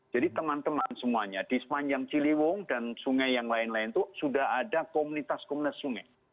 jadi teman teman semuanya di sepanjang ciliwung dan sungai yang lain lain itu sudah ada komunitas komunitas sungai